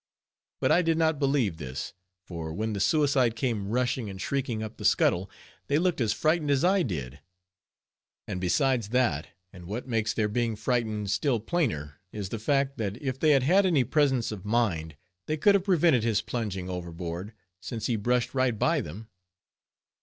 But I did not believe this; for when the suicide came rushing and shrieking up the scuttle, they looked as frightened as I did; and besides that, and what makes their being frightened still plainer, is the fact, that if they had had any presence of mind, they could have prevented his plunging overboard, since he brushed right by them.